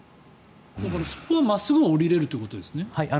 そこは真っすぐは下りられるということですね。